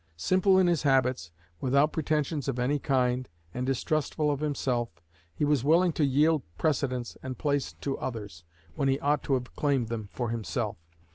Simple in his habits, without pretensions of any kind, and distrustful of himself, he was willing to yield precedence and place to others, when he ought to have claimed them for himself.